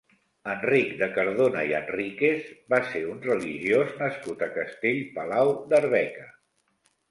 Enric de Cardona i Enríquez va ser un religiós nascut a Castell Palau d'Arbeca.